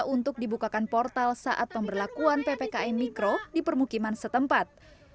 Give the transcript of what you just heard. untuk dibukakan portal saat pemberlakuan ppkm mikro di permukiman setempat